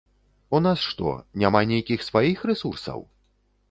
У нас што, няма нейкіх сваіх рэсурсаў?